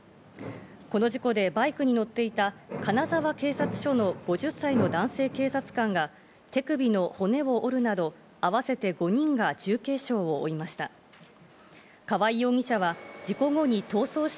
この事故で、バイクに乗っていた金沢警察署の５０歳の男性警察官が手首の骨を折るなど、合わせて５人が重軽傷を負いました。